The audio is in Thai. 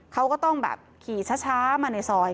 เขาก็ต้องแบบขี่ช้ามาในซอย